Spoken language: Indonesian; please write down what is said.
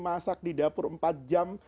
masak di dapur empat jam